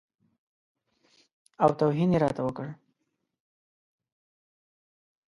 او توهین یې راته وکړ.